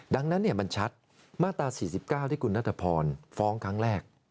ดังนั้นมันชัดมาตรา๔๙ที่คุณนัทพรฟ้องครั้งแรก